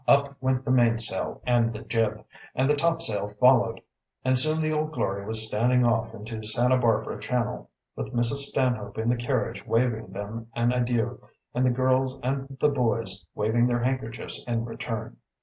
Up went the mainsail and the jib, and the top sail followed, and soon the Old Glory was standing off into Santa Barbara Channel, with Mrs. Stanhope in the carriage waving them an adieu, and the girls and the boys waving their handkerchiefs in return.